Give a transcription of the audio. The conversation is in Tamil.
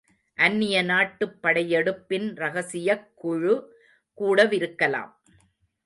அந்நிய நாட்டுப் படையெடுப்பின் ரகசியக் குழு கூடவிருக்கலாம்.